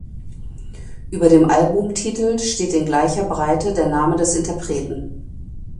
Über dem Albumtitel steht in gleicher Breite der Name des Interpreten.